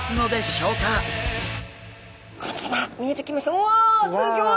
うわすギョい！